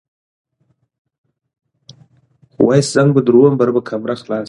د دین سره د سیاست د تلازم او پیوستون دلایل څلور دي.